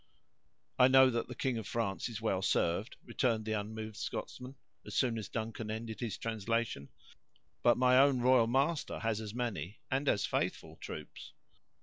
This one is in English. "I know that the king of France is well served," returned the unmoved Scotsman, as soon as Duncan ended his translation; "but my own royal master has as many and as faithful troops."